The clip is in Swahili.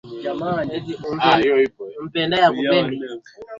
katika makoloni yao Kutokana na jambo hilo